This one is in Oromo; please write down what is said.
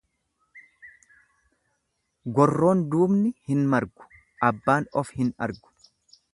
Gorroon duubni hin margu abbaan of hin argu.